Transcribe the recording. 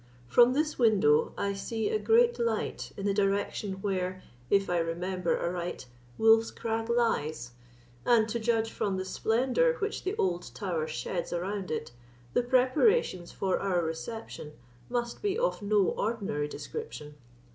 From this window I see a great light in the direction where, if I remember aright, Wolf's Crag lies; and, to judge from the splendour which the old Tower sheds around it, the preparations for our reception must be of no ordinary description.